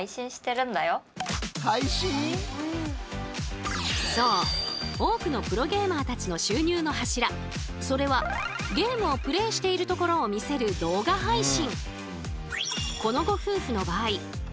このご夫婦にもそう多くのプロゲーマーたちの収入の柱それはゲームをプレーしているところを見せる「動画配信」。